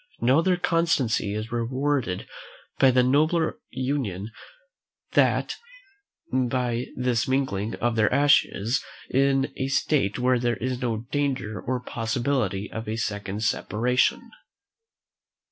Know, their constancy is rewarded by a nobler union than by this mingling of their ashes, in a state where there is no danger or possibility of a second separation."